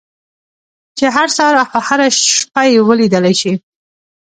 چې هر سهار او هره شپه يې وليدلای شئ.